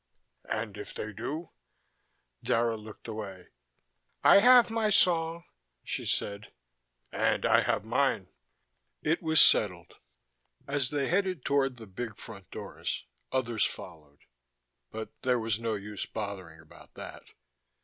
"And if they do?" Dara looked away. "I have my song," she said. "And I have mine." It was settled. As they headed toward the big front doors others followed, but there was no use bothering about that.